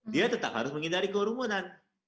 dia tetap harus menghindari kerumunan